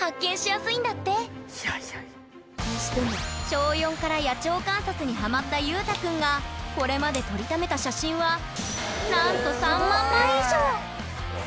小４から野鳥観察にハマったゆうたくんがこれまで撮りためた写真はなんと３万枚以上！